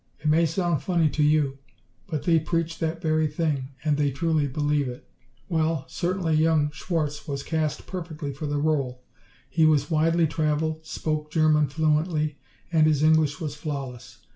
It may sound funny to you, but they preach that very thing, and they truly believe it. "Well, certainly young Schwarz was cast perfectly for the role. He was widely travelled, spoke German fluently, and his English was flawless.